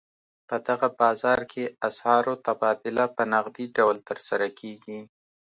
په دغه بازار کې اسعارو تبادله په نغدي ډول ترسره کېږي.